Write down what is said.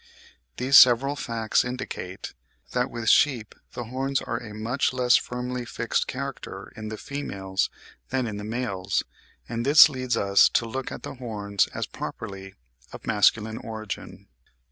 These several facts indicate that, with sheep, the horns are a much less firmly fixed character in the females than in the males; and this leads us to look at the horns as properly of masculine origin.